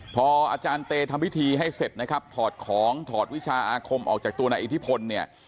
พออาจารย์เตย์ทำวิธีให้เสร็จถอดของถอดวิชาอาคมออกจากตัวในอิทธิพล